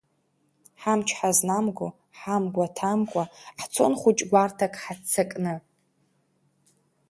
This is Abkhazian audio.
Ҳамч ҳазнамго, ҳамгәа ҭамкәа, ҳцон хәыҷ гәарҭак ҳаццакны…